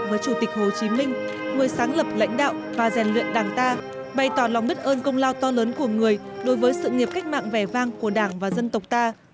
các đồng chí lãnh đạo và rèn luyện đảng ta bày tỏ lòng bất ơn công lao to lớn của người đối với sự nghiệp cách mạng vẻ vang của đảng và dân tộc ta